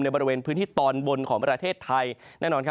ในบริเวณพื้นที่ตอนบนของประเทศไทย